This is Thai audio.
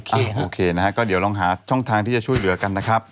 ใช่โอเคนะฮะก็เดี๋ยวลองหาช่องทางที่จะช่วยเหลือกันนะครับ